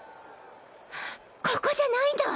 ここじゃないんだわ！